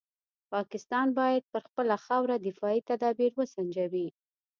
پاکستان باید پر خپله خاوره دفاعي تدابیر وسنجوي.